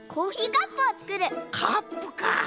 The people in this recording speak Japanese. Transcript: カップか！